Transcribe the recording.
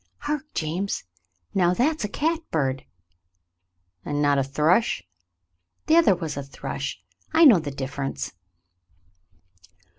"Hark, James. Now, that's a catbird!" "And not a thrush ?" "The other was a thrush. I know the difference."